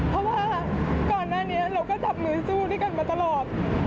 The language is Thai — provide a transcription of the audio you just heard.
เพราะว่าก่อนหน้านี้เราก็จับมือสู้ด้วยกันมาตลอด